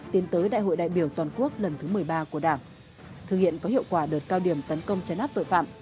tiến tới đại hội đại biểu toàn quốc lần thứ một mươi ba của đảng thực hiện có hiệu quả đợt cao điểm tấn công chấn áp tội phạm